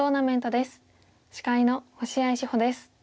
司会の星合志保です。